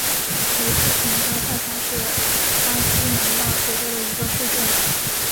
雷斯廷加塞卡是巴西南大河州的一个市镇。